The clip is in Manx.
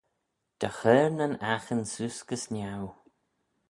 Dy chur nyn aghin seose gys niau.